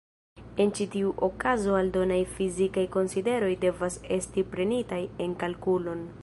En ĉi tiu okazo aldonaj fizikaj konsideroj devas esti prenitaj en kalkulon.